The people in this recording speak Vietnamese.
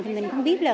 thì mình không biết là